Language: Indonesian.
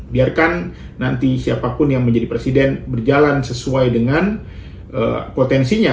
biarkan nanti siapapun yang menjadi presiden berjalan sesuai dengan potensinya